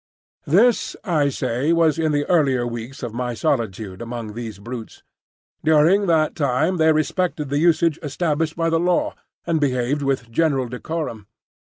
This, I say, was in the earlier weeks of my solitude among these brutes. During that time they respected the usage established by the Law, and behaved with general decorum.